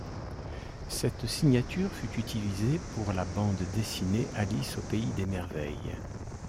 Cette signature fut utilisée pour la bande dessinée Alice au Pays des Merveilles.